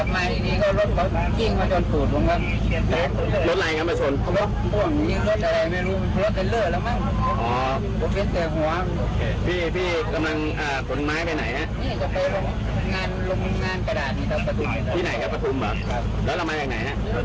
ที่ไหนครับประทุมเหรอแล้วละมันอย่างไหนฮะ